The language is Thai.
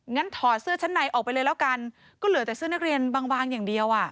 ถอดเสื้อชั้นในออกไปเลยแล้วกันก็เหลือแต่เสื้อนักเรียนบางอย่างเดียวอ่ะ